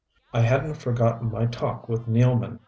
I hadn't forgotten my talk with Nealman.